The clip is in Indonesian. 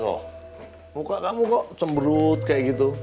loh muka kamu kok cemberut kayak gitu